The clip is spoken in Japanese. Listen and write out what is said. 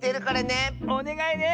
おねがいね。